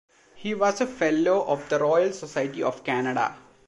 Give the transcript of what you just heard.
He was a Fellow of the Royal Society of Canada.